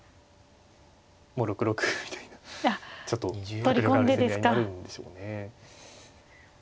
もう６六歩みたいなちょっと迫力ある攻め合いになるんでしょうね。